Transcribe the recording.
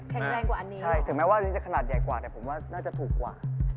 แรงกว่าอันนี้ใช่ถึงแม้ว่าอันนี้จะขนาดใหญ่กว่าแต่ผมว่าน่าจะถูกกว่า